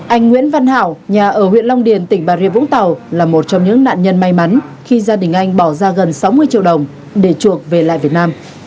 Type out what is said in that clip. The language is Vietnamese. anh nguyễn văn hảo nhà ở huyện long điền tỉnh bà rịa vũng tàu là một trong những nạn nhân may mắn khi gia đình anh bỏ ra gần sáu mươi triệu đồng để chuộc về lại việt nam